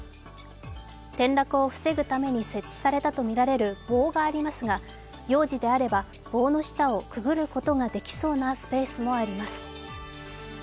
転落を防ぐために設置されたとみられる棒がありますが幼児であれば棒の下をくぐることができそうなスペースもあります。